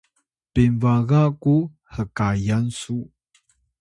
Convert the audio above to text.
pinbaga ku hkayan su